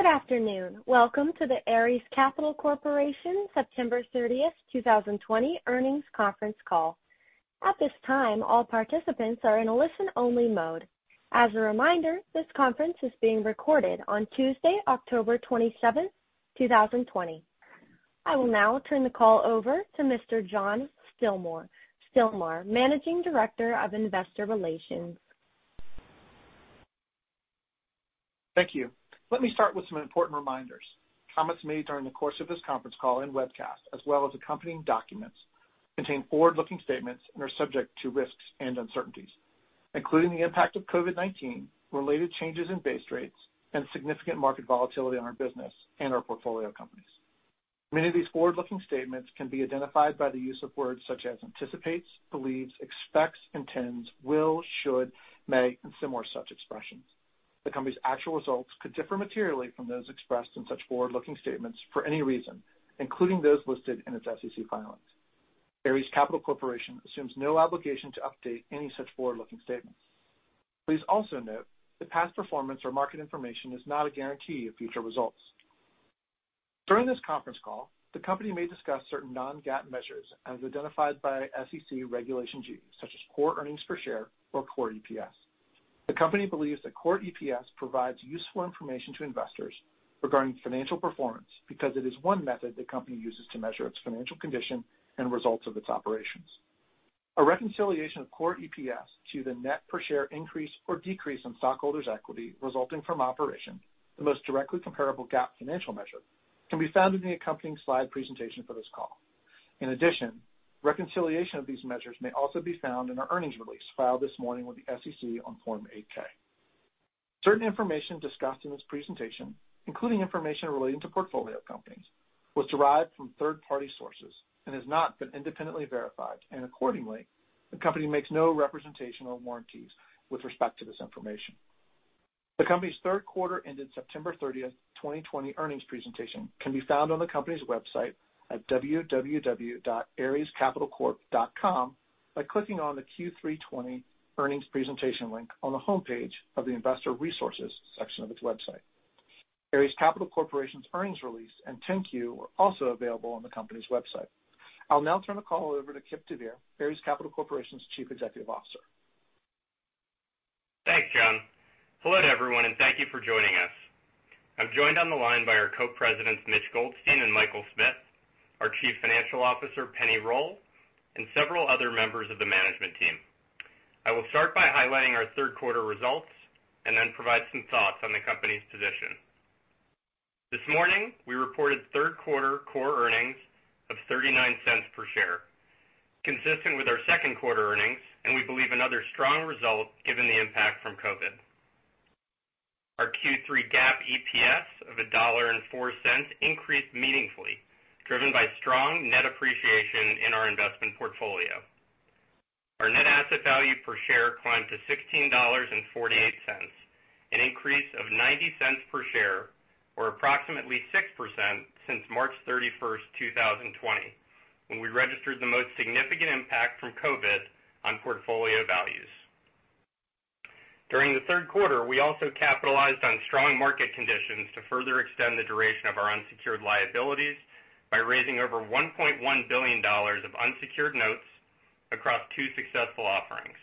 Good afternoon. Welcome to the Ares Capital Corporation September 30th, 2020 earnings conference call. At this time, all participants are in a listen-only mode. As a reminder, this conference is being recorded on Tuesday, October 27th, 2020. I will now turn the call over to Mr. John Stilmar, Managing Director of Investor Relations. Thank you. Let me start with some important reminders. Comments made during the course of this conference call and webcast, as well as accompanying documents, contain forward-looking statements and are subject to risks and uncertainties, including the impact of COVID-19, related changes in base rates, and significant market volatility on our business and our portfolio companies. Many of these forward-looking statements can be identified by the use of words such as anticipates, believes, expects, intends, will, should, may, and similar such expressions. The company's actual results could differ materially from those expressed in such forward-looking statements for any reason, including those listed in its SEC filings. Ares Capital Corporation assumes no obligation to update any such forward-looking statements. Please also note that past performance or market information is not a guarantee of future results. During this conference call, the company may discuss certain non-GAAP measures as identified by SEC Regulation G, such as core earnings per share or Core EPS. The company believes that Core EPS provides useful information to investors regarding financial performance because it is one method the company uses to measure its financial condition and results of its operations. A reconciliation of Core EPS to the net per share increase or decrease in stockholders' equity resulting from operation, the most directly comparable GAAP financial measure, can be found in the accompanying slide presentation for this call. In addition, reconciliation of these measures may also be found in our earnings release filed this morning with the SEC on Form 8-K. Certain information discussed in this presentation, including information relating to portfolio companies, was derived from third-party sources and has not been independently verified. Accordingly, the company makes no representation or warranties with respect to this information. The company's third quarter ended September 30, 2020 earnings presentation can be found on the company's website at www.arescapitalcorp.com by clicking on the Q320 earnings presentation link on the homepage of the investor resources section of its website. Ares Capital Corporation's earnings release and 10-Q are also available on the company's website. I'll now turn the call over to Kipp deVeer, Ares Capital Corporation's Chief Executive Officer. Thanks, John. Hello everyone, and thank you for joining us. I'm joined on the line by our Co-Presidents, Mitch Goldstein and Michael Smith, our Chief Financial Officer, Penni Roll, and several other members of the management team. I will start by highlighting our third quarter results and then provide some thoughts on the company's position. This morning, we reported third quarter Core EPS of $0.39 per share, consistent with our second quarter earnings, and we believe another strong result given the impact from COVID. Our Q3 GAAP EPS of $1.04 increased meaningfully, driven by strong net appreciation in our investment portfolio. Our net asset value per share climbed to $16.48, an increase of $0.90 per share, or approximately 6% since March 31st, 2020, when we registered the most significant impact from COVID on portfolio values. During the third quarter, we also capitalized on strong market conditions to further extend the duration of our unsecured liabilities by raising over $1.1 billion of unsecured notes across two successful offerings.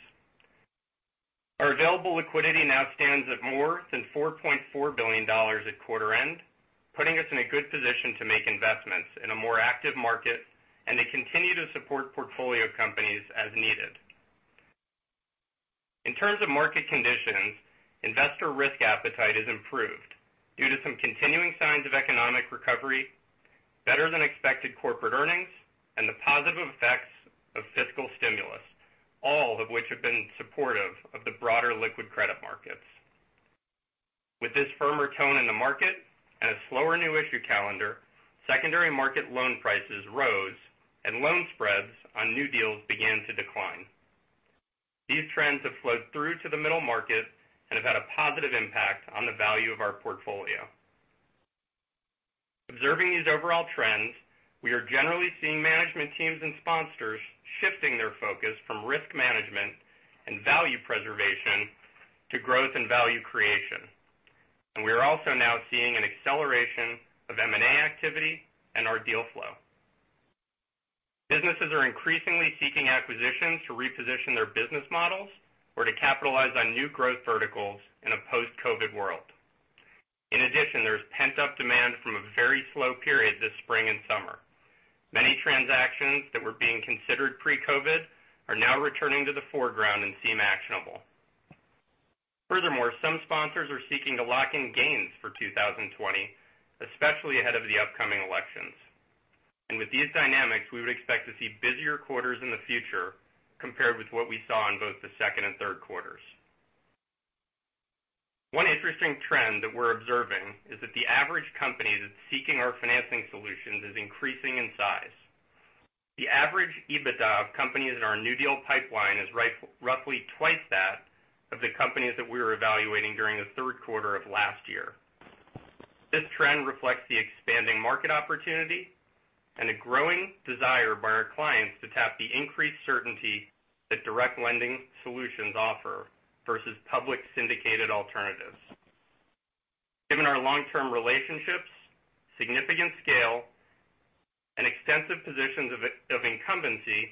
Our available liquidity now stands at more than $4.4 billion at quarter end, putting us in a good position to make investments in a more active market and to continue to support portfolio companies as needed. In terms of market conditions, investor risk appetite has improved due to some continuing signs of economic recovery, better than expected corporate earnings, and the positive effects of fiscal stimulus, all of which have been supportive of the broader liquid credit markets. With this firmer tone in the market and a slower new issue calendar, secondary market loan prices rose, and loan spreads on new deals began to decline. These trends have flowed through to the middle market and have had a positive impact on the value of our portfolio. Observing these overall trends, we are generally seeing management teams and sponsors shifting their focus from risk management and value preservation to growth and value creation. We are also now seeing an acceleration of M&A activity and our deal flow. Businesses are increasingly seeking acquisitions to reposition their business models or to capitalize on new growth verticals in a post-COVID-19 world. In addition, there's pent-up demand from a very slow period this spring and summer. Many transactions that were being considered pre-COVID-19 are now returning to the foreground and seem actionable. Some sponsors are seeking to lock in gains for 2020, especially ahead of the upcoming elections. With these dynamics, we would expect to see busier quarters in the future compared with what we saw in both the second and third quarters. One interesting trend that we're observing is that the average company that's seeking our financing solutions is increasing in size. The average EBITDA of companies in our new deal pipeline is roughly twice that of the companies that we were evaluating during the third quarter of last year. This trend reflects the expanding market opportunity and a growing desire by our clients to tap the increased certainty that direct lending solutions offer versus public syndicated alternatives. Given our long-term relationships, significant scale, and extensive positions of incumbency,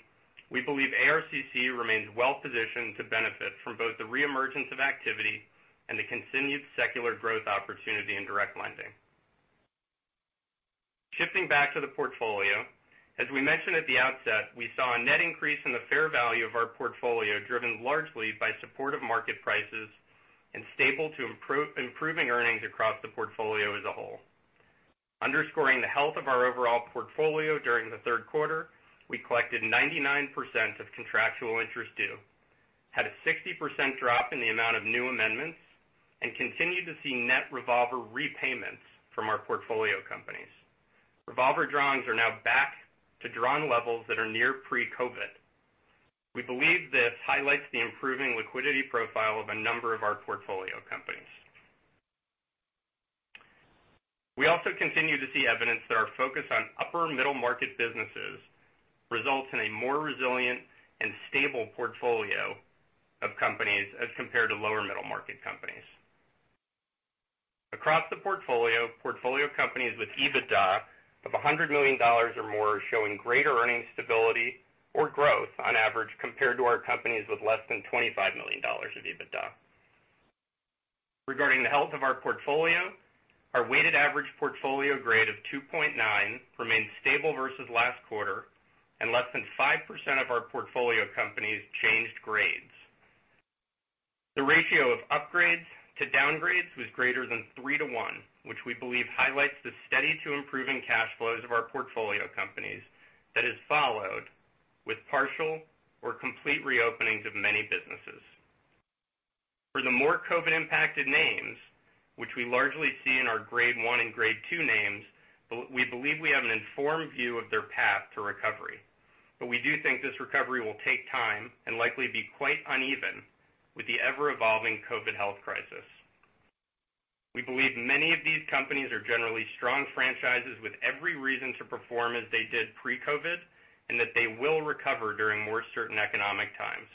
we believe ARCC remains well-positioned to benefit from both the re-emergence of activity and the continued secular growth opportunity in direct lending. Shifting back to the portfolio. As we mentioned at the outset, we saw a net increase in the fair value of our portfolio, driven largely by supportive market prices and stable to improving earnings across the portfolio as a whole. Underscoring the health of our overall portfolio during the third quarter, we collected 99% of contractual interest due, had a 60% drop in the amount of new amendments, and continued to see net revolver repayments from our portfolio companies. Revolver drawings are now back to drawing levels that are near pre-COVID-19. We believe this highlights the improving liquidity profile of a number of our portfolio companies. We also continue to see evidence that our focus on upper middle-market businesses results in a more resilient and stable portfolio of companies as compared to lower middle-market companies. Across the portfolio companies with EBITDA of $100 million or more are showing greater earnings stability or growth on average compared to our companies with less than $25 million of EBITDA. Regarding the health of our portfolio, our weighted average portfolio grade of 2.9 remained stable versus last quarter, and less than 5% of our portfolio companies changed grades. The ratio of upgrades to downgrades was greater than three to one, which we believe highlights the steady to improving cash flows of our portfolio companies that has followed with partial or complete reopenings of many businesses. For the more COVID-impacted names, which we largely see in our grade one and grade two names, we believe we have an informed view of their path to recovery. We do think this recovery will take time and likely be quite uneven with the ever-evolving COVID health crisis. We believe many of these companies are generally strong franchises with every reason to perform as they did pre-COVID, and that they will recover during more certain economic times.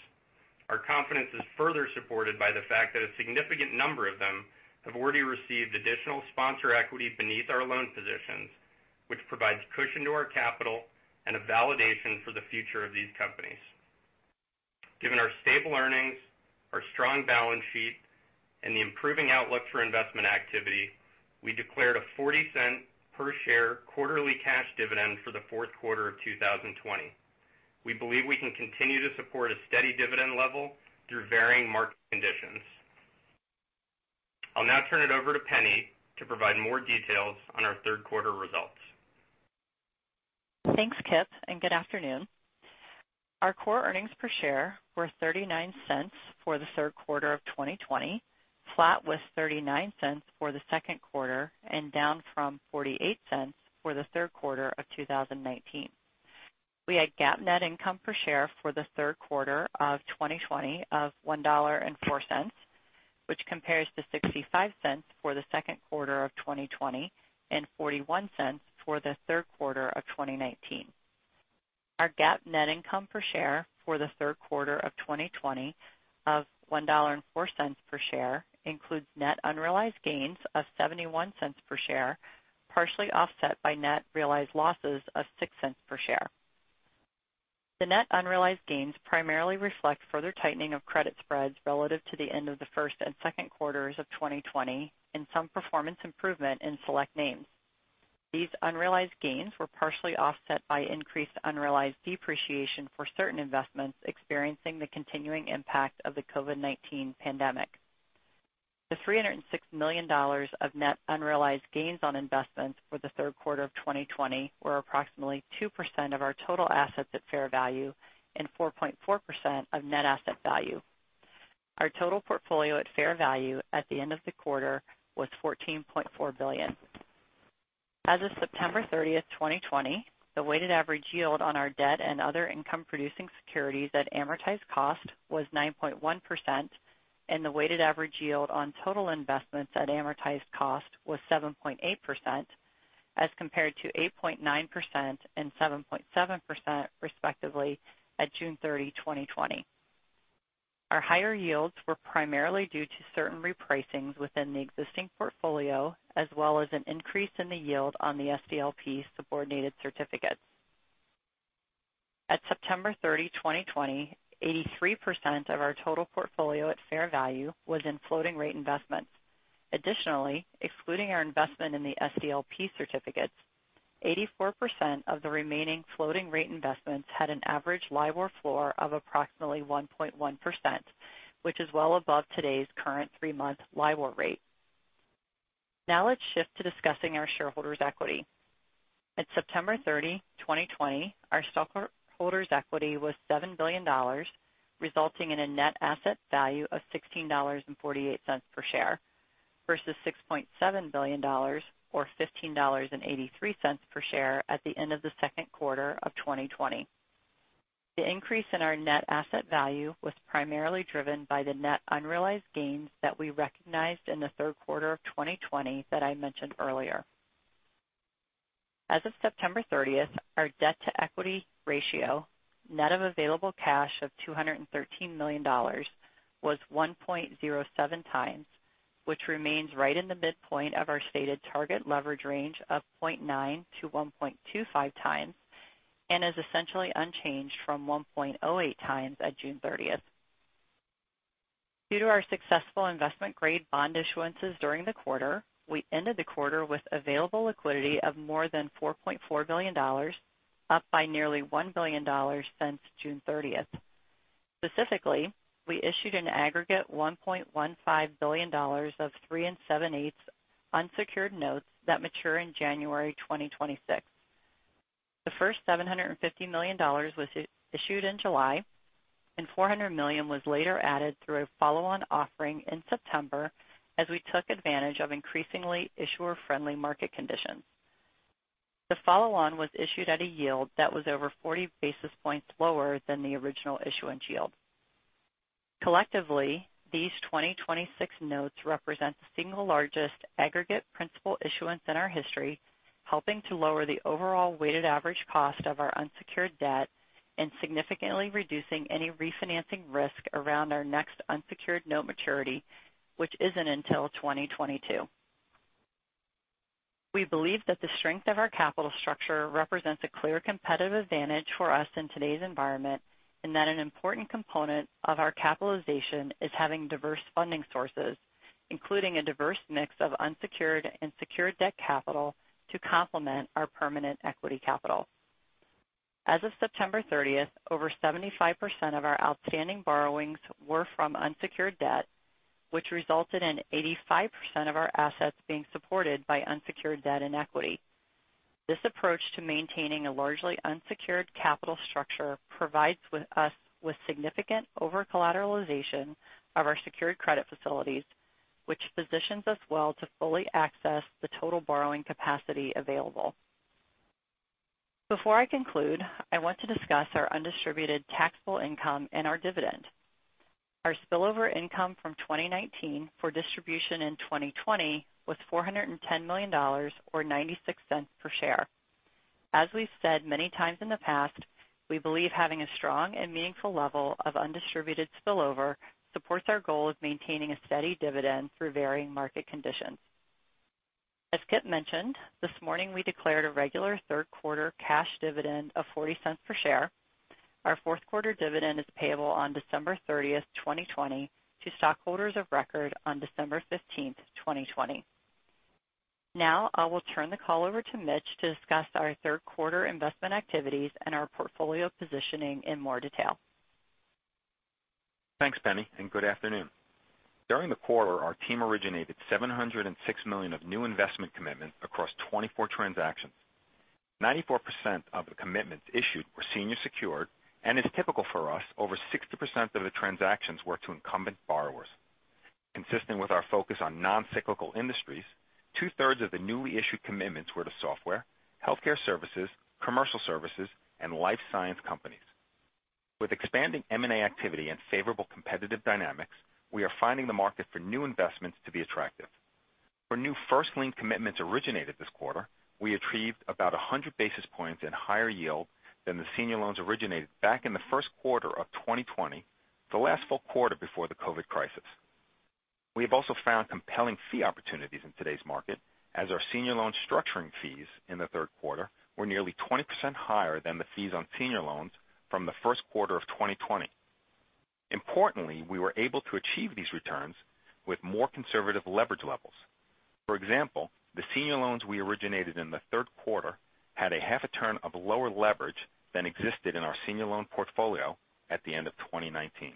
Our confidence is further supported by the fact that a significant number of them have already received additional sponsor equity beneath our loan positions, which provides cushion to our capital and a validation for the future of these companies. Given our stable earnings, our strong balance sheet, and the improving outlook for investment activity, we declared a 40-cent per share quarterly cash dividend for the fourth quarter of 2020. We believe we can continue to support a steady dividend level through varying market conditions. I'll now turn it over to Penni to provide more details on our third quarter results. Thanks, Kipp, and good afternoon. Our core earnings per share were $0.39 for the third quarter of 2020, flat with $0.39 for the second quarter, and down from $0.48 for the third quarter of 2019. We had GAAP net income per share for the third quarter of 2020 of $1.04, which compares to $0.65 for the second quarter of 2020 and $0.41 for the third quarter of 2019. Our GAAP net income per share for the third quarter of 2020 of $1.04 per share includes net unrealized gains of $0.71 per share, partially offset by net realized losses of $0.06 per share. The net unrealized gains primarily reflect further tightening of credit spreads relative to the end of the first and second quarters of 2020 and some performance improvement in select names. These unrealized gains were partially offset by increased unrealized depreciation for certain investments experiencing the continuing impact of the COVID-19 pandemic. The $306 million of net unrealized gains on investments for the third quarter of 2020 were approximately 2% of our total assets at fair value and 4.4% of net asset value. Our total portfolio at fair value at the end of the quarter was $14.4 billion. As of September 30, 2020, the weighted average yield on our debt and other income-producing securities at amortized cost was 9.1%, and the weighted average yield on total investments at amortized cost was 7.8%, as compared to 8.9% and 7.7%, respectively, at June 30, 2020. Our higher yields were primarily due to certain repricings within the existing portfolio, as well as an increase in the yield on the SDLP subordinated certificates. At September 30, 2020, 83% of our total portfolio at fair value was in floating rate investments. Additionally, excluding our investment in the SDLP certificates, 84% of the remaining floating rate investments had an average LIBOR floor of approximately 1.1%, which is well above today's current three-month LIBOR rate. Now let's shift to discussing our shareholders' equity. At September 30, 2020, our stockholders' equity was $7 billion, resulting in a net asset value of $16.48 per share versus $6.7 billion, or $15.83 per share at the end of the second quarter of 2020. The increase in our net asset value was primarily driven by the net unrealized gains that we recognized in the third quarter of 2020 that I mentioned earlier. As of September 30th, our debt-to-equity ratio, net of available cash of $213 million, was 1.07 times, which remains right in the midpoint of our stated target leverage range of 0.9-1.25 times and is essentially unchanged from 1.08 times at June 30th. Due to our successful investment grade bond issuances during the quarter, we ended the quarter with available liquidity of more than $4.4 billion, up by nearly $1 billion since June 30th. Specifically, we issued an aggregate $1.15 billion of three and seven eighths unsecured notes that mature in January 2026. The first $750 million was issued in July, and $400 million was later added through a follow-on offering in September as we took advantage of increasingly issuer-friendly market conditions. The follow-on was issued at a yield that was over 40 basis points lower than the original issuance yield. Collectively, these 2026 notes represent the single largest aggregate principal issuance in our history, helping to lower the overall weighted average cost of our unsecured debt and significantly reducing any refinancing risk around our next unsecured note maturity, which isn't until 2022. We believe that the strength of our capital structure represents a clear competitive advantage for us in today's environment, and that an important component of our capitalization is having diverse funding sources, including a diverse mix of unsecured and secured debt capital to complement our permanent equity capital. As of September 30th, over 75% of our outstanding borrowings were from unsecured debt, which resulted in 85% of our assets being supported by unsecured debt and equity. This approach to maintaining a largely unsecured capital structure provides us with significant over-collateralization of our secured credit facilities, which positions us well to fully access the total borrowing capacity available. Before I conclude, I want to discuss our undistributed taxable income and our dividend. Our spillover income from 2019 for distribution in 2020 was $410 million or $0.96 per share. As we've said many times in the past, we believe having a strong and meaningful level of undistributed spillover supports our goal of maintaining a steady dividend through varying market conditions. As Kipp mentioned, this morning we declared a regular third quarter cash dividend of $0.40 per share. Our fourth quarter dividend is payable on December 30th, 2020, to stockholders of record on December 15th, 2020. Now I will turn the call over to Mitch to discuss our third quarter investment activities and our portfolio positioning in more detail. Thanks, Penni, and good afternoon. During the quarter, our team originated $706 million of new investment commitments across 24 transactions. 94% of the commitments issued were senior secured, and as typical for us, over 60% of the transactions were to incumbent borrowers. Consistent with our focus on non-cyclical industries, two-thirds of the newly issued commitments were to software, healthcare services, commercial services, and life science companies. With expanding M&A activity and favorable competitive dynamics, we are finding the market for new investments to be attractive. For new first lien commitments originated this quarter, we achieved about 100 basis points in higher yield than the senior loans originated back in the first quarter of 2020, the last full quarter before the COVID-19 crisis. We have also found compelling fee opportunities in today's market as our senior loan structuring fees in the third quarter were nearly 20% higher than the fees on senior loans from the first quarter of 2020. Importantly, we were able to achieve these returns with more conservative leverage levels. For example, the senior loans we originated in the third quarter had a half a turn of lower leverage than existed in our senior loan portfolio at the end of 2019.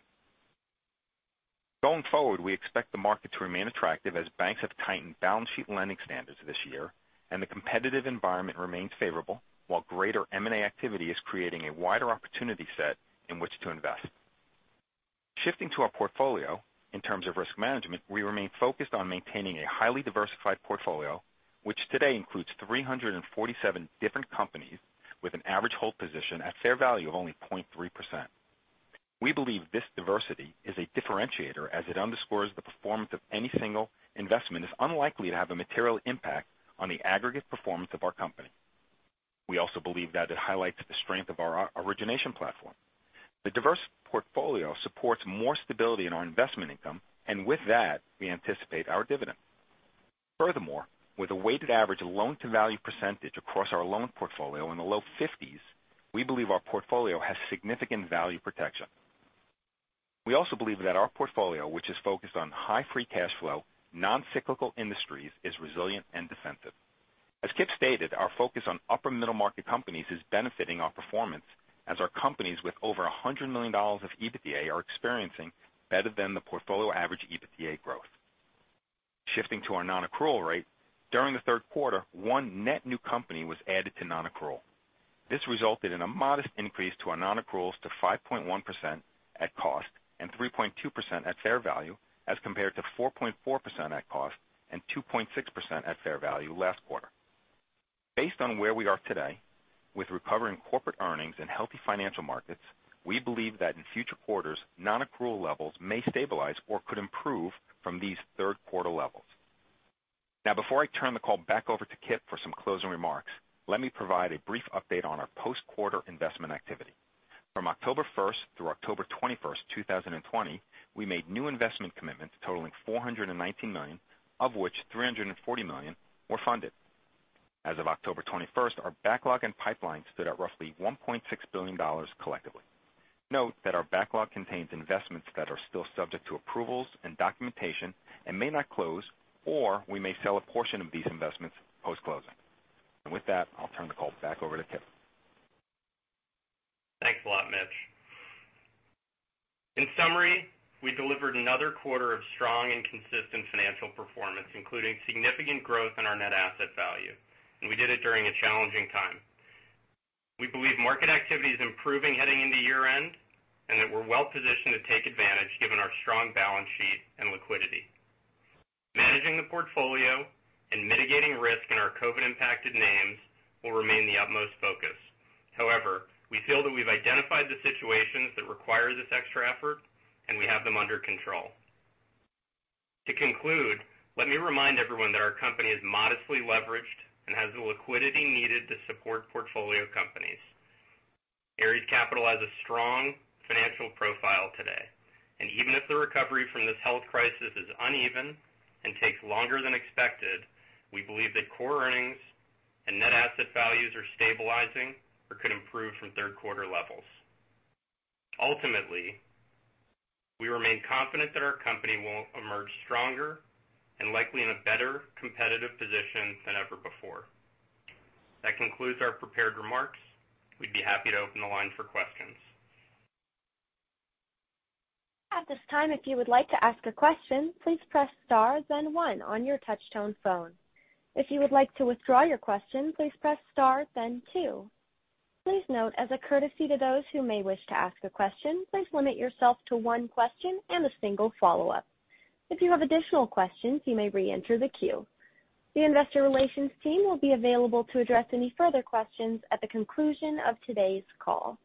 Going forward, we expect the market to remain attractive as banks have tightened balance sheet lending standards this year, and the competitive environment remains favorable while greater M&A activity is creating a wider opportunity set in which to invest. Shifting to our portfolio in terms of risk management, we remain focused on maintaining a highly diversified portfolio, which today includes 347 different companies with an average hold position at fair value of only 0.3%. We believe this diversity is a differentiator as it underscores the performance of any single investment is unlikely to have a material impact on the aggregate performance of our company. We also believe that it highlights the strength of our origination platform. The diverse portfolio supports more stability in our investment income, and with that, we anticipate our dividend. Furthermore, with a weighted average loan-to-value percentage across our loan portfolio in the low 50s, we believe our portfolio has significant value protection. We also believe that our portfolio, which is focused on high free cash flow, non-cyclical industries, is resilient and defensive. As Kipp stated, our focus on upper middle market companies is benefiting our performance as our companies with over $100 million of EBITDA are experiencing better than the portfolio average EBITDA growth. Shifting to our non-accrual rate, during the third quarter, one net new company was added to non-accrual. This resulted in a modest increase to our non-accruals to 5.1% at cost and 3.2% at fair value as compared to 4.4% at cost and 2.6% at fair value last quarter. Based on where we are today with recovering corporate earnings and healthy financial markets, we believe that in future quarters, non-accrual levels may stabilize or could improve from these third quarter levels. Now, before I turn the call back over to Kipp for some closing remarks, let me provide a brief update on our post-quarter investment activity. From October 1st through October 21st, 2020, we made new investment commitments totaling $419 million, of which $340 million were funded. As of October 21st, our backlog and pipeline stood at roughly $1.6 billion collectively. Note that our backlog contains investments that are still subject to approvals and documentation and may not close, or we may sell a portion of these investments post-closing. I'll turn the call back over to Kipp. Thanks a lot, Mitch. In summary, we delivered another quarter of strong and consistent financial performance, including significant growth in our net asset value, and we did it during a challenging time. We believe market activity is improving heading into year-end, and that we're well-positioned to take advantage given our strong balance sheet and liquidity. Managing the portfolio and mitigating risk in our COVID-impacted names will remain the utmost focus. However, we feel that we've identified the situations that require this extra effort, and we have them under control. To conclude, let me remind everyone that our company is modestly leveraged and has the liquidity needed to support portfolio companies. Ares Capital has a strong financial profile today, and even if the recovery from this health crisis is uneven and takes longer than expected, we believe that core earnings and net asset values are stabilizing or could improve from third quarter levels. Ultimately, we remain confident that our company will emerge stronger and likely in a better competitive position than ever before. That concludes our prepared remarks. We'd be happy to open the line for questions. At this time, if you would like to ask a question, please press star then one on your touch-tone phone. If you would like to withdraw your question, please press star then two. Please note as a courtesy to those who may wish to ask a question, please limit yourself to one question and a single follow-up. If you have additional questions, you may reenter the queue. The investor relations team will be available to address any further questions at the conclusion of today's call.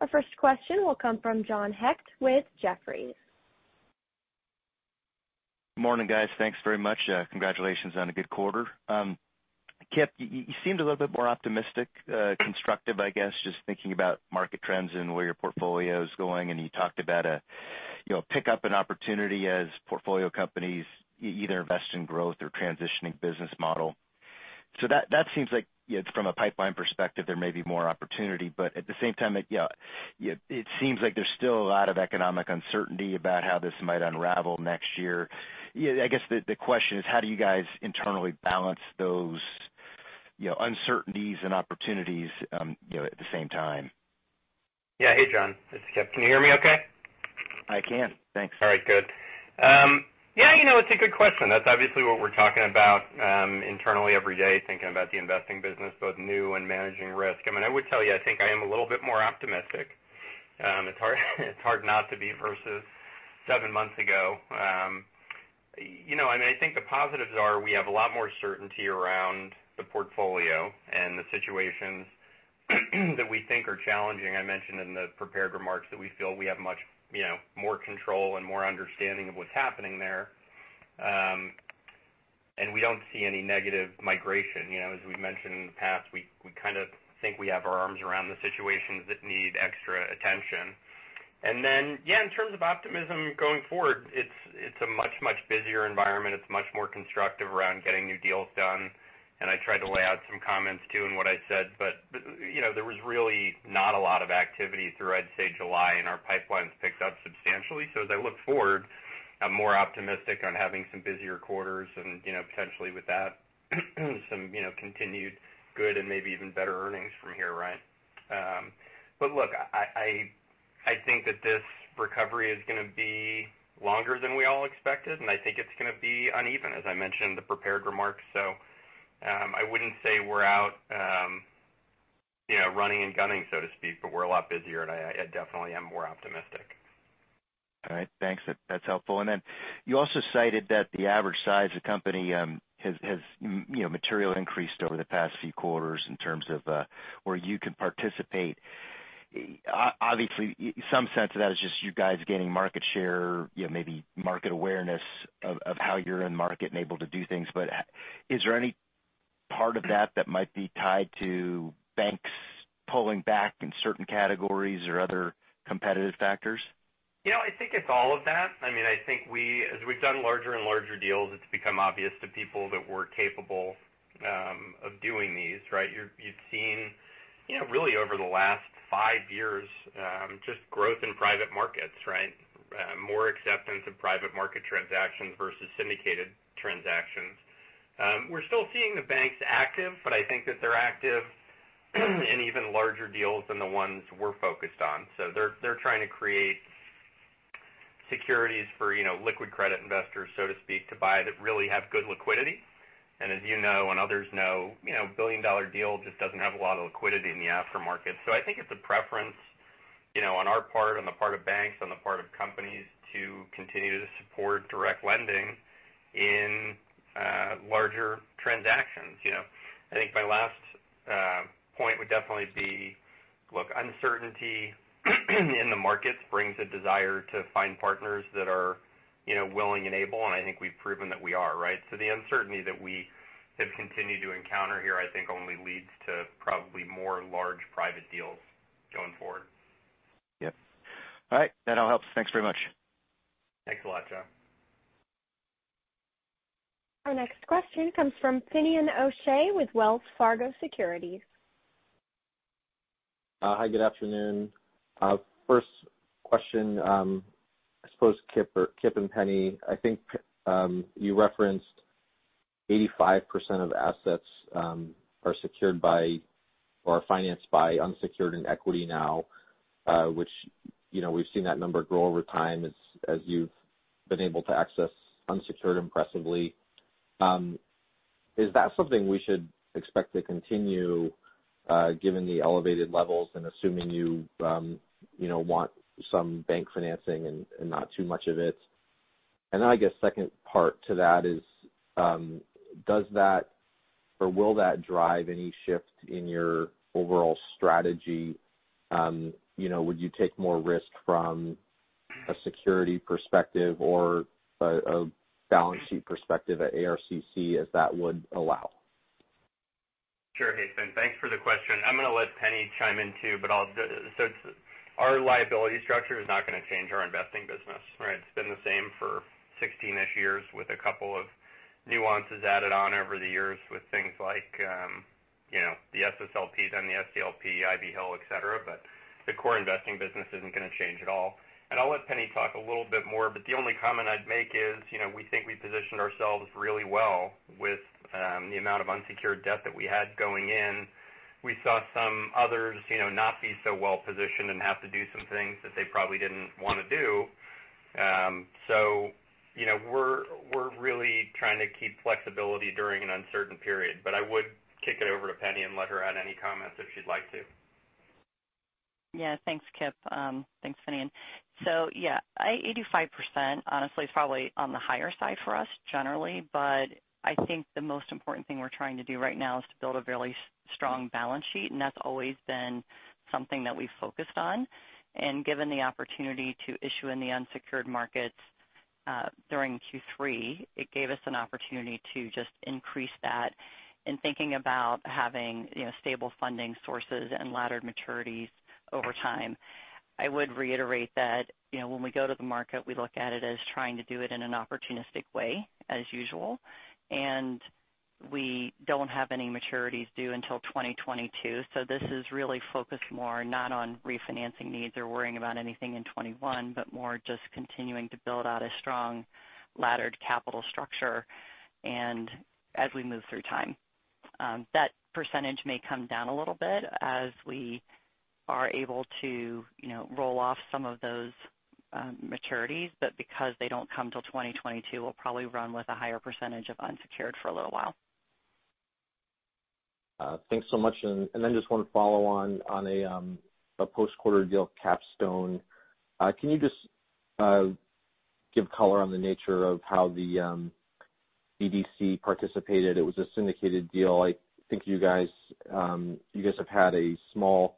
Our first question will come from John Hecht with Jefferies. Morning, guys. Thanks very much. Congratulations on a good quarter. Kipp, you seemed a little bit more optimistic, constructive, I guess, just thinking about market trends and where your portfolio is going, and you talked about a pickup in opportunity as portfolio companies either invest in growth or transitioning business model. That seems like from a pipeline perspective, there may be more opportunity, but at the same time, it seems like there's still a lot of economic uncertainty about how this might unravel next year. I guess the question is, how do you guys internally balance those uncertainties and opportunities at the same time? Yeah. Hey, John. It's Kipp. Can you hear me okay? I can. Thanks. All right, good. Yeah, it's a good question. That's obviously what we're talking about internally every day, thinking about the investing business, both new and managing risk. I would tell you, I think I am a little bit more optimistic. It's hard not to be versus seven months ago. I think the positives are we have a lot more certainty around the portfolio and the situations that we think are challenging. I mentioned in the prepared remarks that we feel we have much more control and more understanding of what's happening there. We don't see any negative migration. As we've mentioned in the past, we kind of think we have our arms around the situations that need extra attention. Yeah, in terms of optimism going forward, it's a much, much busier environment. It's much more constructive around getting new deals done. I tried to lay out some comments, too, in what I said, but there was really not a lot of activity through, I'd say, July, and our pipeline's picked up substantially. As I look forward, I'm more optimistic on having some busier quarters and potentially with that, some continued good and maybe even better earnings from here, right? Look, I think that this recovery is going to be longer than we all expected, and I think it's going to be uneven, as I mentioned in the prepared remarks. I wouldn't say we're out running and gunning, so to speak, but we're a lot busier, and I definitely am more optimistic. All right. Thanks. That's helpful. Then you also cited that the average size of company has materially increased over the past few quarters in terms of where you can participate. Obviously, some sense of that is just you guys gaining market share, maybe market awareness of how you're in market and able to do things. Is there any part of that that might be tied to banks pulling back in certain categories or other competitive factors? I think it's all of that. I think as we've done larger and larger deals, it's become obvious to people that we're capable of doing these, right? You've seen really over the last five years, just growth in private markets, right? More acceptance of private market transactions versus syndicated transactions. We're still seeing the banks active, but I think that they're active in even larger deals than the ones we're focused on. They're trying to create securities for liquid credit investors, so to speak, to buy that really have good liquidity. as you know, and others know, a billion-dollar deal just doesn't have a lot of liquidity in the aftermarket. I think it's a preference on our part, on the part of banks, on the part of companies to continue to support direct lending in larger transactions. I think my last point would definitely be, look, uncertainty in the markets brings a desire to find partners that are willing and able, and I think we've proven that we are, right? The uncertainty that we have continued to encounter here, I think only leads to probably more large private deals going forward. Yep. All right. That all helps. Thanks very much. Thanks a lot, John. Our next question comes from Finian O'Shea with Wells Fargo Securities. Hi, good afternoon. First question, I suppose Kipp and Penni, I think you referenced 85% of assets are secured by or financed by unsecured and equity now, which we've seen that number grow over time as you've been able to access unsecured impressively. Is that something we should expect to continue given the elevated levels and assuming you want some bank financing and not too much of it? I guess second part to that is does that or will that drive any shift in your overall strategy? Would you take more risk from a security perspective or a balance sheet perspective at ARCC as that would allow? Sure. Hey, Fin. Thanks for the question. I'm going to let Penni chime in, too. Our liability structure is not going to change our investing business, right? It's been the same for 16-ish years with a couple of nuances added on over the years with things like the SSLPs and the SDLP, Ivy Hill, et cetera. The core investing business isn't going to change at all. I'll let Penni talk a little bit more, but the only comment I'd make is we think we positioned ourselves really well with the amount of unsecured debt that we had going in. We saw some others not be so well-positioned and have to do some things that they probably didn't want to do. We're really trying to keep flexibility during an uncertain period. I would kick it over to Penni and let her add any comments if she'd like to. Yeah. Thanks, Kipp. Thanks, Finian. Yeah, 85% honestly is probably on the higher side for us generally, but I think the most important thing we're trying to do right now is to build a really strong balance sheet, and that's always been something that we've focused on. given the opportunity to issue in the unsecured markets during Q3, it gave us an opportunity to just increase that in thinking about having stable funding sources and laddered maturities over time. I would reiterate that when we go to the market, we look at it as trying to do it in an opportunistic way as usual, and we don't have any maturities due until 2022. this is really focused more not on refinancing needs or worrying about anything in '21, but more just continuing to build out a strong laddered capital structure. As we move through time, that percentage may come down a little bit as we are able to roll off some of those maturities. Because they don't come till 2022, we'll probably run with a higher percentage of unsecured for a little while. Thanks so much. Just one follow-on on a post-quarter deal, Capstone. Can you just give color on the nature of how the BDC participated? It was a syndicated deal. I think you guys have had a small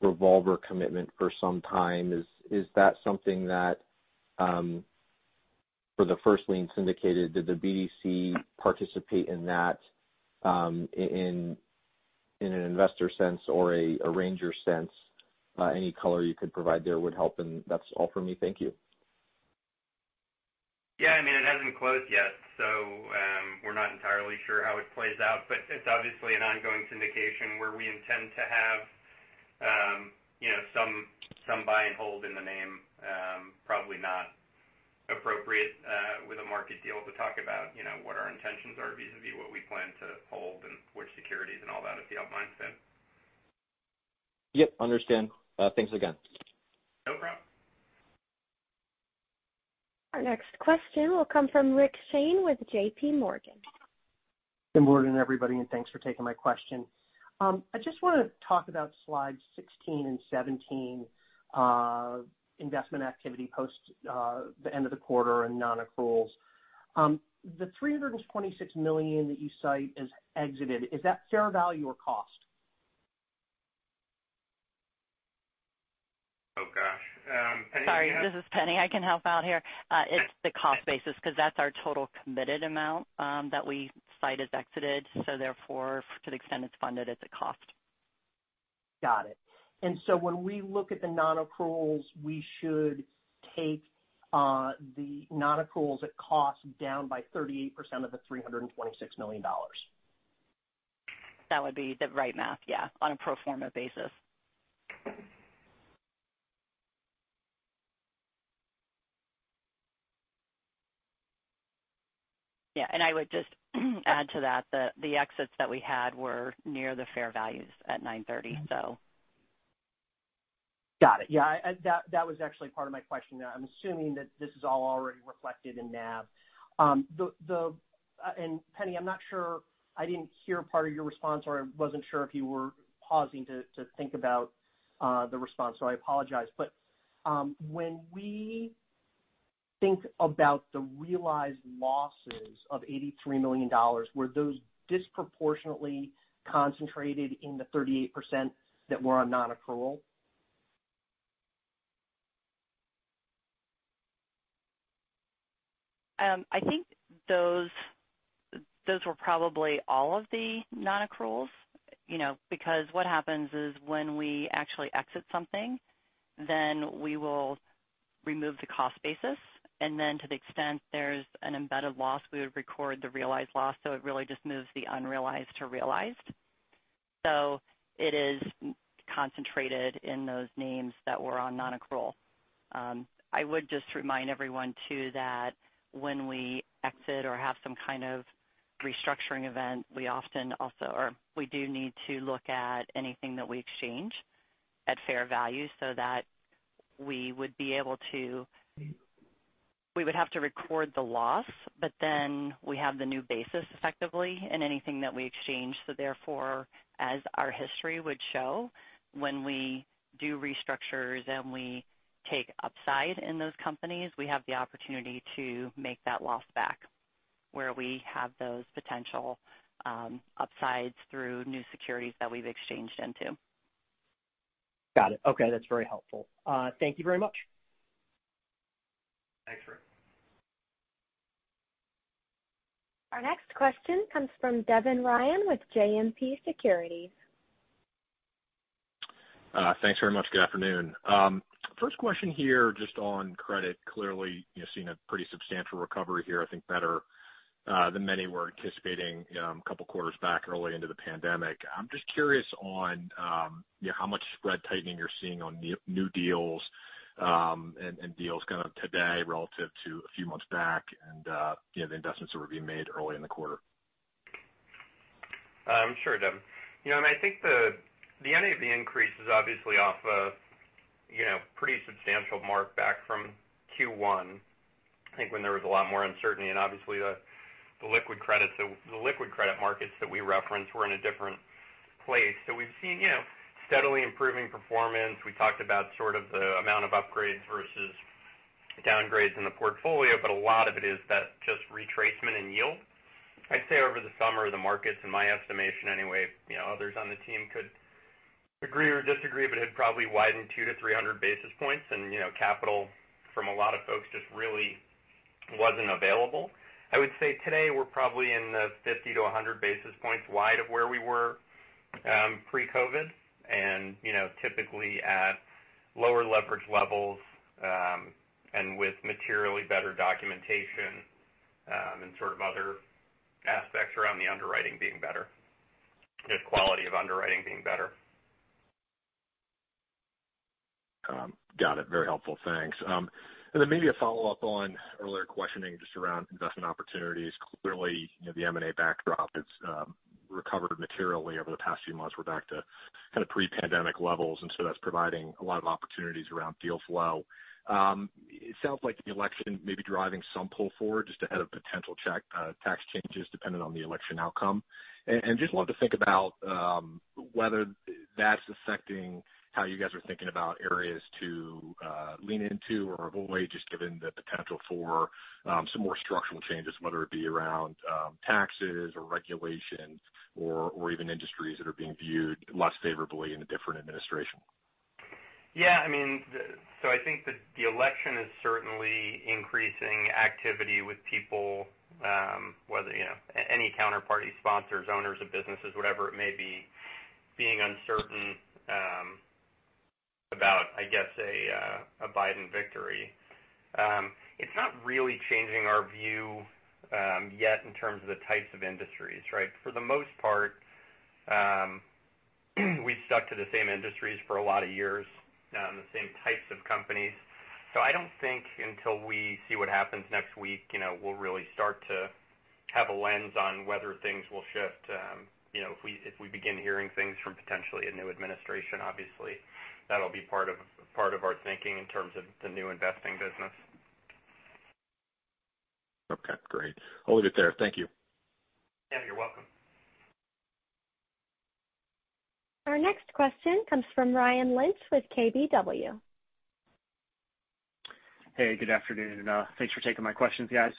revolver commitment for some time. Is that something that for the first lien syndicated, did the BDC participate in that in an investor sense or a arranger sense? Any color you could provide there would help, and that's all for me. Thank you. Yeah. It hasn't closed yet, so we're not entirely sure how it plays out, but it's obviously an ongoing syndication where we intend to have some buy and hold in the name. Probably not appropriate with a market deal to talk about what our intentions are vis-à-vis what we plan to hold and which securities and all that if you don't mind, Fin. Yep, understand. Thanks again. No problem. Our next question will come from Rick Shane with JPMorgan. Good morning, everybody, and thanks for taking my question. I just want to talk about slides 16 and 17, investment activity post the end of the quarter and non-accruals. The $326 million that you cite as exited, is that fair value or cost? Oh, gosh. Penni, do you have- Sorry, this is Penni. I can help out here. It's the cost basis because that's our total committed amount that we cite as exited. therefore, to the extent it's funded, it's a cost. Got it. When we look at the non-accruals, we should take the non-accruals at cost down by 38% of the $326 million. That would be the right math, yeah, on a pro forma basis. Yeah. I would just add to that, the exits that we had were near the fair values at 9/30, so. Got it. Yeah. That was actually part of my question. I'm assuming that this is all already reflected in NAV. The Penni, I'm not sure. I didn't hear part of your response, or I wasn't sure if you were pausing to think about the response, so I apologize. When we think about the realized losses of $83 million, were those disproportionately concentrated in the 38% that were on non-accrual? I think those were probably all of the non-accruals because what happens is when we actually exit something, then we will remove the cost basis, and then to the extent there's an embedded loss, we would record the realized loss. It really just moves the unrealized to realized. It is concentrated in those names that were on non-accrual. I would just remind everyone too, that when we exit or have some kind of restructuring event, we do need to look at anything that we exchange at fair value so that we would have to record the loss. We have the new basis effectively in anything that we exchange. therefore, as our history would show, when we do restructures and we take upside in those companies, we have the opportunity to make that loss back where we have those potential upsides through new securities that we've exchanged into. Got it. Okay, that's very helpful. Thank you very much. Thanks, Rick. Our next question comes from Devin Ryan with JMP Securities. Thanks very much. Good afternoon. First question here, just on credit. Clearly, seeing a pretty substantial recovery here, I think better than many were anticipating a couple of quarters back early into the pandemic. I'm just curious on how much spread tightening you're seeing on new deals and deals kind of today relative to a few months back and the investments that were being made early in the quarter. Sure, Devin. I think the NAV increase is obviously off a pretty substantial mark back from Q1, I think when there was a lot more uncertainty and obviously the liquid credit markets that we reference were in a different place. We've seen steadily improving performance. We talked about sort of the amount of upgrades versus downgrades in the portfolio, but a lot of it is that just retracement in yield. I'd say over the summer, the markets, in my estimation anyway others on the team could agree or disagree, but had probably widened two to 300 basis points, and capital from a lot of folks just really wasn't available. I would say today we're probably in the 50-100 basis points wide of where we were pre-COVID and typically at lower leverage levels and with materially better documentation and sort of other aspects around the underwriting being better, just quality of underwriting being better. Got it. Very helpful. Thanks. Maybe a follow-up on earlier questioning just around investment opportunities. Clearly, the M&A backdrop has recovered materially over the past few months. We're back to kind of pre-pandemic levels, and so that's providing a lot of opportunities around deal flow. It sounds like the election may be driving some pull forward just ahead of potential tax changes, depending on the election outcome. Just wanted to think about whether that's affecting how you guys are thinking about areas to lean into or avoid, just given the potential for some more structural changes, whether it be around taxes or regulations or even industries that are being viewed less favorably in a different administration. Yeah. I think that the election is certainly increasing activity with people whether any counterparty sponsors, owners of businesses, whatever it may be, being uncertain about, I guess a Biden victory. It's not really changing our view yet in terms of the types of industries, right? For the most part, we've stuck to the same industries for a lot of years and the same types of companies. I don't think until we see what happens next week we'll really start to have a lens on whether things will shift. If we begin hearing things from potentially a new administration, obviously, that'll be part of our thinking in terms of the new investing business. Okay, great. I'll leave it there. Thank you. Yeah, you're welcome. Our next question comes from Ryan Lynch with KBW. Hey, good afternoon. Thanks for taking my questions, guys.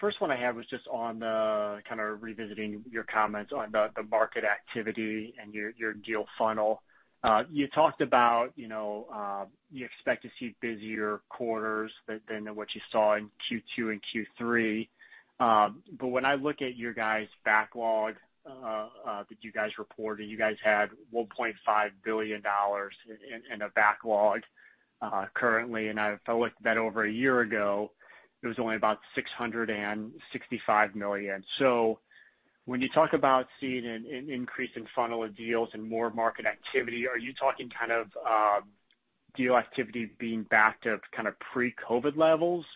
First one I had was just on the kind of revisiting your comments on the market activity and your deal funnel. You talked about you expect to see busier quarters than what you saw in Q2 and Q3. When I look at your guys' backlog that you guys reported, you guys had $1.5 billion in a backlog currently, and if I looked at that over a year ago, it was only about $665 million. When you talk about seeing an increase in funnel of deals and more market activity, are you talking kind of deal activity being back to kind of pre-COVID levels,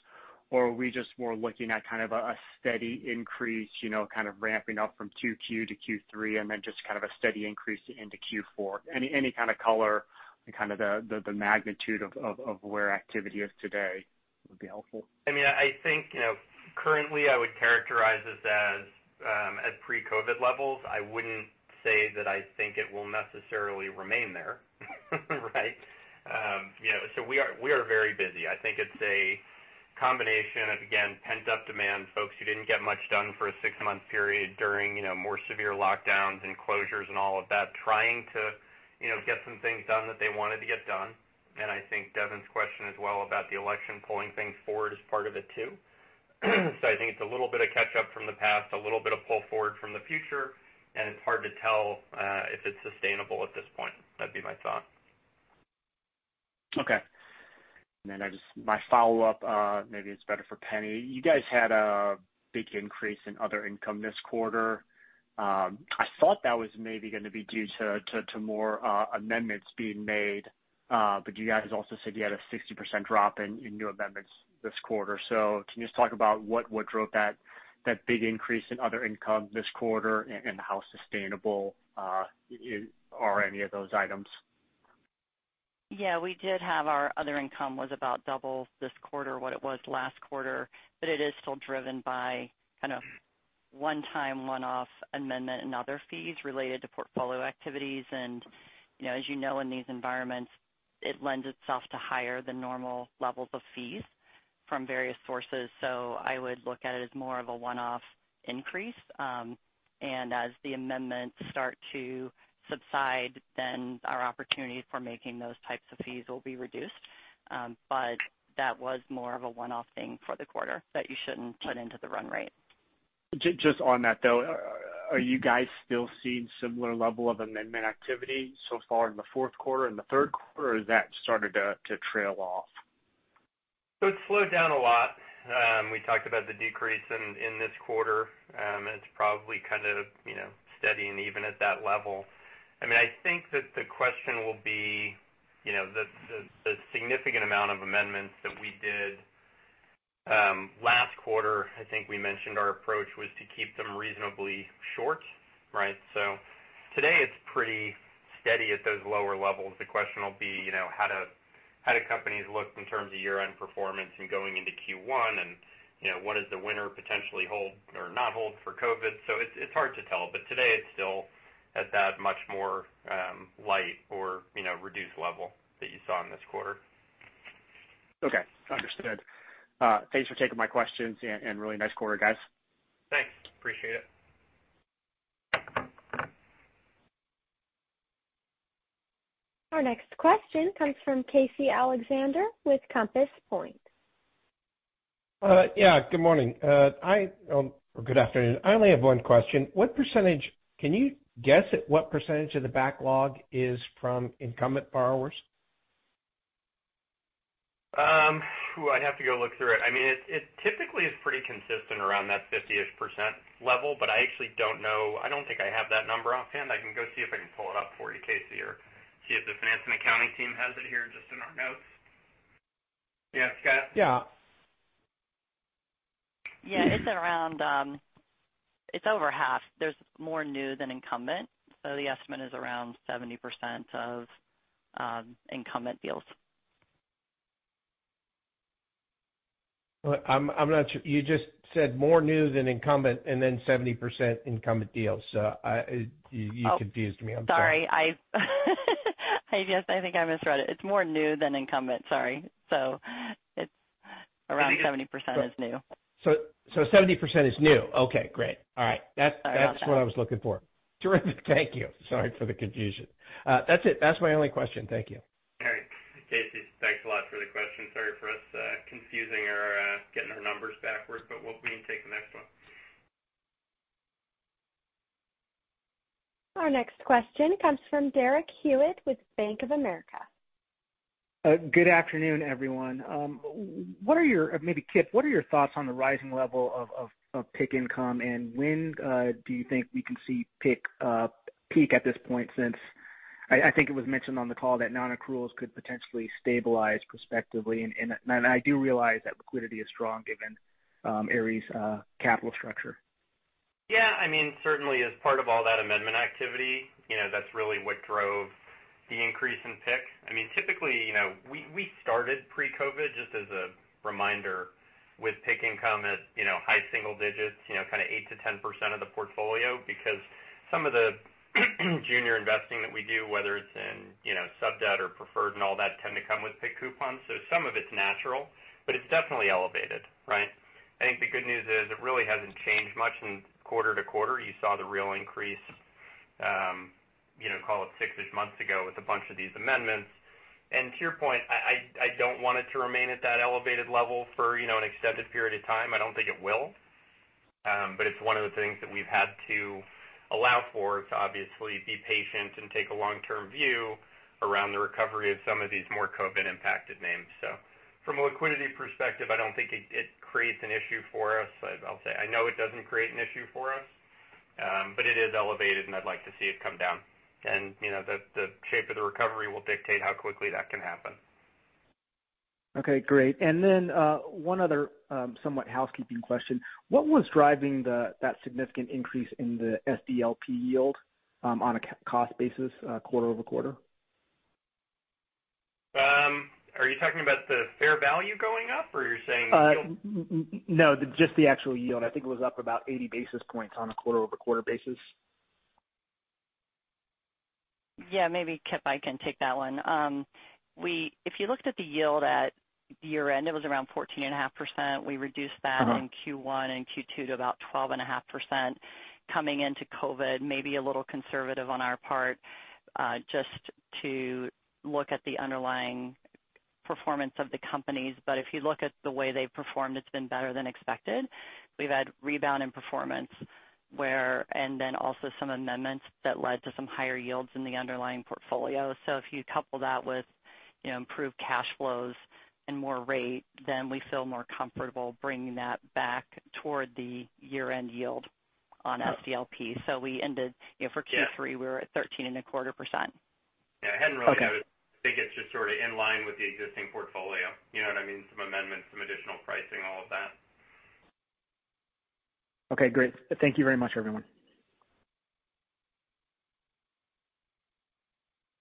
or are we just more looking at kind of a steady increase kind of ramping up from Q2 to Q3 and then just kind of a steady increase into Q4? Any kind of color and kind of the magnitude of where activity is today? Would be helpful. I think currently I would characterize this as pre-COVID levels. I wouldn't say that I think it will necessarily remain there. We are very busy. I think it's a combination of, again, pent-up demand, folks who didn't get much done for a six-month period during more severe lockdowns and closures and all of that, trying to get some things done that they wanted to get done. I think Devin's question as well about the election pulling things forward is part of it too. I think it's a little bit of catch-up from the past, a little bit of pull forward from the future, and it's hard to tell if it's sustainable at this point. That'd be my thought. Okay. My follow-up, maybe it's better for Penni. You guys had a big increase in other income this quarter. I thought that was maybe going to be due to more amendments being made. You guys also said you had a 60% drop in new amendments this quarter. Can you just talk about what drove that big increase in other income this quarter and how sustainable are any of those items? Yeah, we did have our other income was about double this quarter what it was last quarter, but it is still driven by kind of one-time, one-off amendment and other fees related to portfolio activities. As you know, in these environments, it lends itself to higher than normal levels of fees from various sources. I would look at it as more of a one-off increase. As the amendments start to subside, then our opportunities for making those types of fees will be reduced. That was more of a one-off thing for the quarter that you shouldn't put into the run rate. Just on that, though, are you guys still seeing similar level of amendment activity so far in the fourth quarter and the third quarter, or has that started to trail off? it's slowed down a lot. We talked about the decrease in this quarter. It's probably kind of steady and even at that level. I think that the question will be the significant amount of amendments that we did last quarter, I think we mentioned our approach was to keep them reasonably short, right? today it's pretty steady at those lower levels. The question will be how do companies look in terms of year-end performance and going into Q1, and what does the winter potentially hold or not hold for COVID? it's hard to tell. today it's still at that much more light or reduced level that you saw in this quarter. Okay. Understood. Thanks for taking my questions, and really nice quarter, guys. Thanks. Appreciate it. Our next question comes from Casey Alexander with Compass Point. Yeah, good morning. Good afternoon. I only have one question. Can you guess at what percentage of the backlog is from incumbent borrowers? I'd have to go look through it. It typically is pretty consistent around that 50-ish % level, but I actually don't know. I don't think I have that number offhand. I can go see if I can pull it up for you, Casey, or see if the finance and accounting team has it here just in our notes. Yeah, Scott? Yeah. Yeah. It's over half. There's more new than incumbent. The estimate is around 70% of incumbent deals. You just said more new than incumbent and then 70% incumbent deals. You confused me. I'm sorry. Oh, sorry. Yes, I think I misread it. It's more new than incumbent, sorry. It's around 70% is new. 70% is new. Okay, great. All right. Sorry about that. That's what I was looking for. Terrific. Thank you. Sorry for the confusion. That's it. That's my only question. Thank you. All right. Casey, thanks a lot for the question. Sorry for us confusing or getting our numbers backwards, but we'll be able to take the next one. Our next question comes from Derek Hewett with Bank of America. Good afternoon, everyone. Maybe Kipp, what are your thoughts on the rising level of PIK income, and when do you think we can see PIK peak at this point since I think it was mentioned on the call that non-accruals could potentially stabilize prospectively? I do realize that liquidity is strong given Ares' capital structure. Yeah. Certainly as part of all that amendment activity, that's really what drove the increase in PIK. Typically, we started pre-COVID, just as a reminder, with PIK income at high single digits, kind of 8%-10% of the portfolio because some of the junior investing that we do, whether it's in sub-debt or preferred and all that tend to come with PIK coupons. Some of it's natural, but it's definitely elevated. Right? I think the good news is it really hasn't changed much in quarter-to-quarter. You saw the real increase, call it six-ish months ago with a bunch of these amendments. To your point, I don't want it to remain at that elevated level for an extended period of time. I don't think it will. It's one of the things that we've had to allow for, is to obviously be patient and take a long-term view around the recovery of some of these more COVID-impacted names. From a liquidity perspective, I don't think it creates an issue for us. I'll say I know it doesn't create an issue for us. It is elevated, and I'd like to see it come down. The shape of the recovery will dictate how quickly that can happen. Okay, great. One other somewhat housekeeping question. What was driving that significant increase in the SDLP yield on a cost basis quarter-over-quarter? Are you talking about the fair value going up, or you're saying yield? No, just the actual yield. I think it was up about 80 basis points on a quarter-over-quarter basis. Yeah, maybe, Kipp, I can take that one. If you looked at the yield at year-end, it was around 14.5%. We reduced that- in Q1 and Q2 to about 12.5%. Coming into COVID, maybe a little conservative on our part, just to look at the underlying performance of the companies. if you look at the way they've performed, it's been better than expected. We've had rebound in performance where then also some amendments that led to some higher yields in the underlying portfolio. if you couple that with improved cash flows and more rate, then we feel more comfortable bringing that back toward the year-end yield on SDLP. we ended- Yeah for Q3, we were at 13.25%. Yeah. I hadn't really. Okay I think it's just sort of in line with the existing portfolio. You know what I mean? Some amendments, some additional pricing, all of that. Okay, great. Thank you very much, everyone.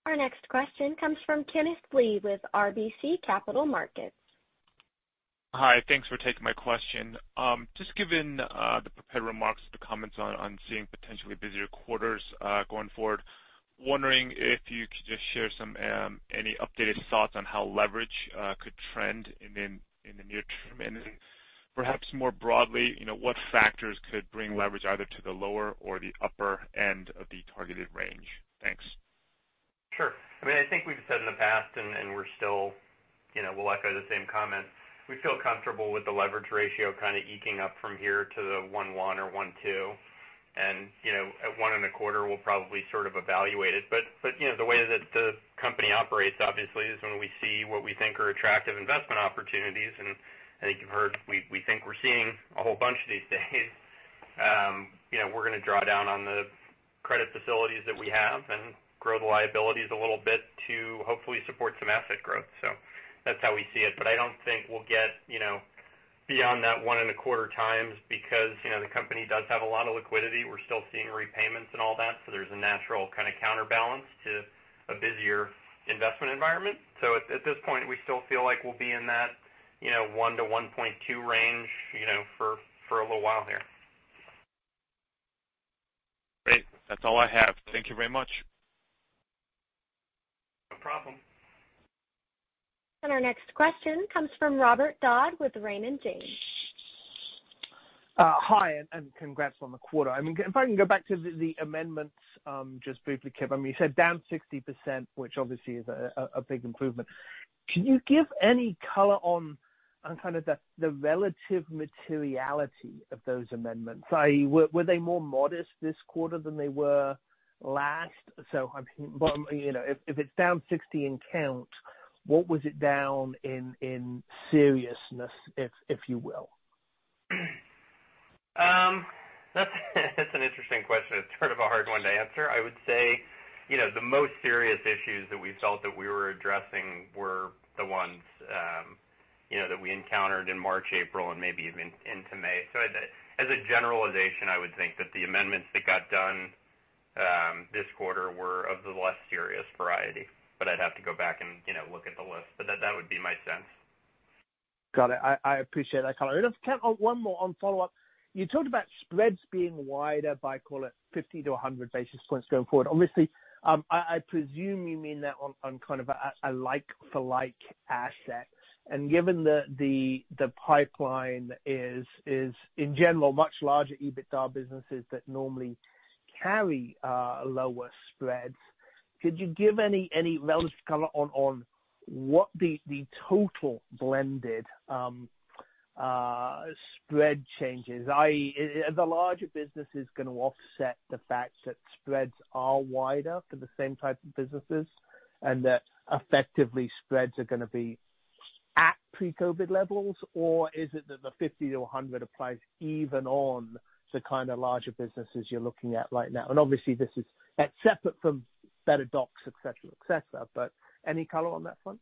Our next question comes from Kenneth Lee with RBC Capital Markets. Hi. Thanks for taking my question. Just given the prepared remarks, the comments on seeing potentially busier quarters going forward, wondering if you could just share any updated thoughts on how leverage could trend in the near term, and then perhaps more broadly, what factors could bring leverage either to the lower or the upper end of the targeted range. Thanks. Sure. I think we've said in the past, and we'll echo the same comment. We feel comfortable with the leverage ratio kind of eking up from here to the one-one or one-two. At one and a quarter, we'll probably sort of evaluate it. The way that the company operates, obviously, is when we see what we think are attractive investment opportunities. I think you've heard, we think we're seeing a whole bunch these days. We're going to draw down on the credit facilities that we have and grow the liabilities a little bit to hopefully support some asset growth. That's how we see it. I don't think we'll get beyond that one and a quarter times because the company does have a lot of liquidity. We're still seeing repayments and all that, so there's a natural kind of counterbalance to a busier investment environment. At this point, we still feel like we'll be in that one to 1.2 range for a little while here. Great. That's all I have. Thank you very much. No problem. Our next question comes from Robert Dodd with Raymond James. Hi, and congrats on the quarter. If I can go back to the amendments just briefly, Kipp. You said down 60%, which obviously is a big improvement. Can you give any color on kind of the relative materiality of those amendments? Were they more modest this quarter than they were last? If it's down 60 in count, what was it down in seriousness, if you will? That's an interesting question. It's sort of a hard one to answer. I would say the most serious issues that we felt that we were addressing were the ones that we encountered in March, April, and maybe even into May. As a generalization, I would think that the amendments that got done this quarter were of the less serious variety. I'd have to go back and look at the list. That would be my sense. Got it. I appreciate that color. Just, Kipp, one more on follow-up. You talked about spreads being wider by, call it, 50 to 100 basis points going forward. Obviously, I presume you mean that on kind of a like-for-like asset. Given the pipeline is, in general, much larger EBITDA businesses that normally carry lower spreads, could you give any relative color on what the total blended spread change is? Are the larger businesses going to offset the fact that spreads are wider for the same type of businesses and that effectively spreads are going to be at pre-COVID levels? Is it that the 50 to 100 applies even on the kind of larger businesses you're looking at right now? Obviously, this is separate from better docs, et cetera, et cetera. Any color on that front?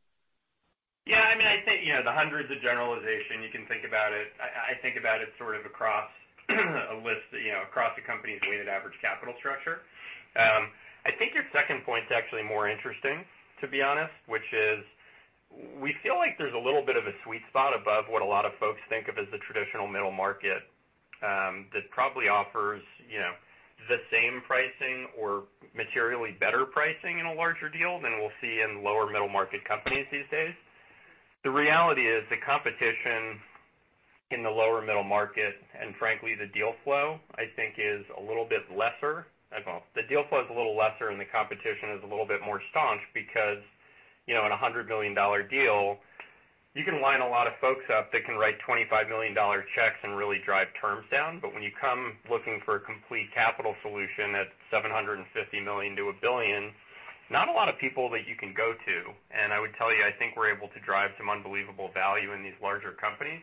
Yeah, I think the 100 is a generalization. You can think about it. I think about it sort of across a list, across the company's weighted average capital structure. I think your second point is actually more interesting, to be honest, which is we feel like there's a little bit of a sweet spot above what a lot of folks think of as the traditional middle market that probably offers the same pricing or materially better pricing in a larger deal than we'll see in lower middle market companies these days. The reality is the competition in the lower middle market, and frankly, the deal flow, I think is a little bit lesser. Well, the deal flow is a little lesser and the competition is a little bit more staunch because in a $100 million deal, you can line a lot of folks up that can write $25 million checks and really drive terms down. When you come looking for a complete capital solution at $750 million to a billion, not a lot of people that you can go to. I would tell you, I think we're able to drive some unbelievable value in these larger companies.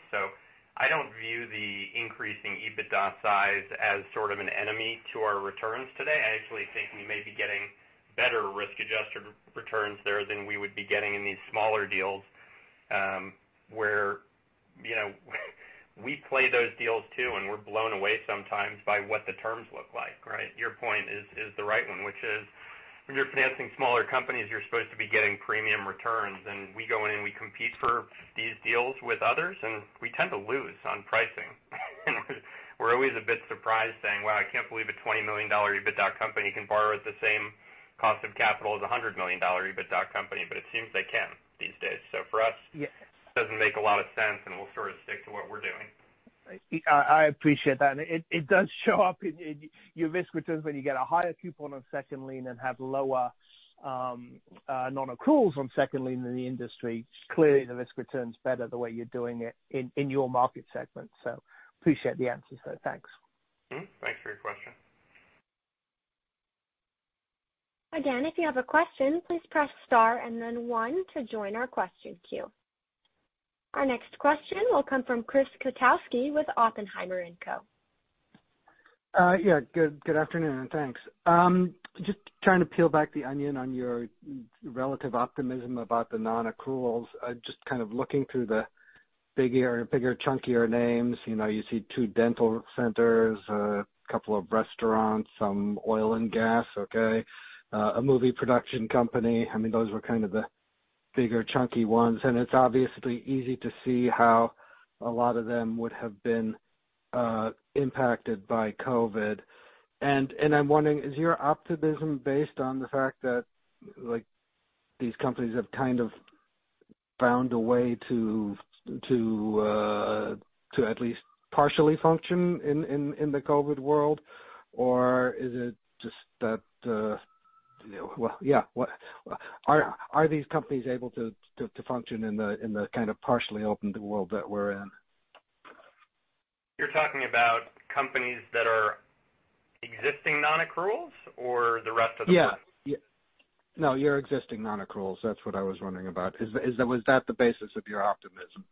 I don't view the increasing EBITDA size as sort of an enemy to our returns today. I actually think we may be getting better risk-adjusted returns there than we would be getting in these smaller deals where we play those deals too, and we're blown away sometimes by what the terms look like. Your point is the right one, which is when you're financing smaller companies, you're supposed to be getting premium returns. We go in and we compete for these deals with others, and we tend to lose on pricing. We're always a bit surprised saying, "Wow, I can't believe a $20 million EBITDA company can borrow at the same cost of capital as a $100 million EBITDA company," it seems they can these days. For us- Yes It doesn't make a lot of sense, and we'll sort of stick to what we're doing. I appreciate that. It does show up in your risk returns when you get a higher coupon on second lien and have lower non-accruals on second lien than the industry. Clearly, the risk return's better the way you're doing it in your market segment. thanks. Thanks for your question. Again, if you have a question, please press star and then one to join our question queue. Our next question will come from Chris Kotowski with Oppenheimer & Co. Yeah. Good afternoon, and thanks. Just trying to peel back the onion on your relative optimism about the non-accruals. Just kind of looking through the bigger, chunkier names. You see two dental centers, a couple of restaurants, some oil and gas. Okay. A movie production company. Those were kind of the bigger, chunky ones, and it's obviously easy to see how a lot of them would have been impacted by COVID. I'm wondering, is your optimism based on the fact that these companies have kind of found a way to at least partially function in the COVID world? Are these companies able to function in the kind of partially opened world that we're in? You're talking about companies that are existing non-accruals or the rest of the- Yeah. No, your existing non-accruals. That's what I was wondering about. Was that the basis of your optimism?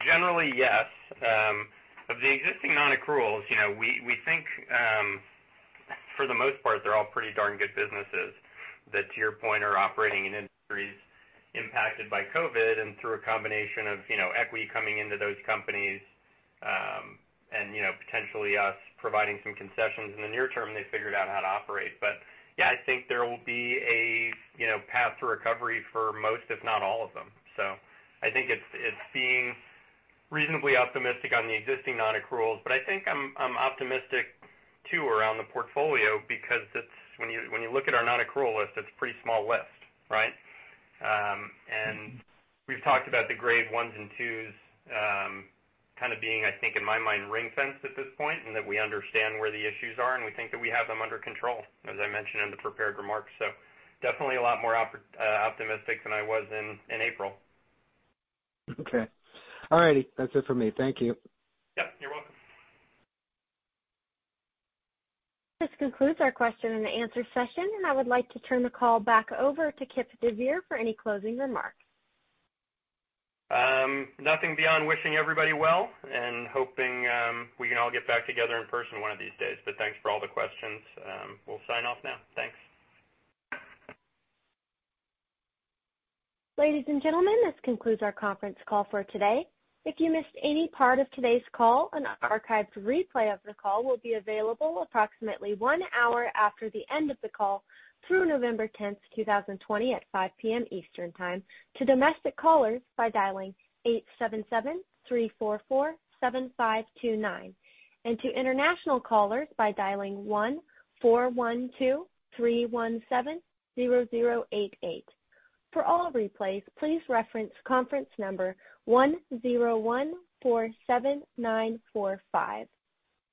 Generally, yes. Of the existing non-accruals, we think, for the most part, they're all pretty darn good businesses that, to your point, are operating in industries impacted by COVID. Through a combination of equity coming into those companies and potentially us providing some concessions in the near term, they figured out how to operate. Yeah, I think there will be a path to recovery for most, if not all of them. I think it's being reasonably optimistic on the existing non-accruals. I think I'm optimistic too, around the portfolio because when you look at our non-accrual list, it's a pretty small list, right? We've talked about the grade ones and twos kind of being, I think, in my mind, ring-fenced at this point, and that we understand where the issues are, and we think that we have them under control, as I mentioned in the prepared remarks. Definitely a lot more optimistic than I was in April. Okay. All righty. That's it for me. Thank you. Yeah, you're welcome. This concludes our question and answer session, and I would like to turn the call back over to Kipp deVeer for any closing remarks. Nothing beyond wishing everybody well and hoping we can all get back together in person one of these days. Thanks for all the questions. We'll sign off now. Thanks. Ladies and gentlemen, this concludes our conference call for today. If you missed any part of today's call, an archived replay of the call will be available approximately one hour after the end of the call through November 10, 2020, at 5:00 P.M. Eastern Time to domestic callers by dialing 877-344-7529 and to international callers by dialing 1-412-317-0088. For all replays, please reference conference number 10147945.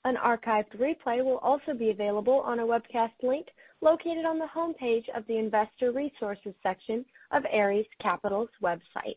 An archived replay will also be available on a webcast link located on the homepage of the Investor Resources section of Ares Capital's website.